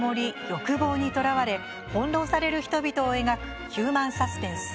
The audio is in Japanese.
欲望に捕らわれ翻弄される人々を描くヒューマンサスペンス